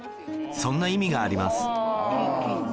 そんな意味があります